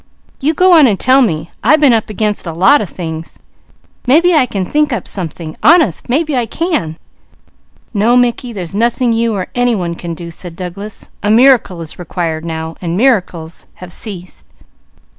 "You go on and tell me. I been up against a lot of things. Maybe I can think up something. Honest, maybe I can!" "No Mickey, there's nothing you or any one can do. A miracle is required now, and miracles have ceased."